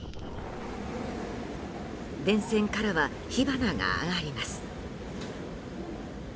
電線からは火花が上がります。